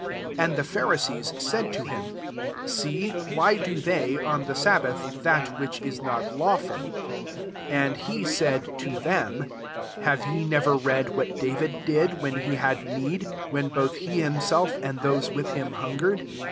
24 And the Pharisees said to him, " See, why do they, [o7f\ the sabbath, that which is not law ful ?" 25 And he said to them, " Have ye never read what David did, when he had need, when both he himself, and those with him, hungered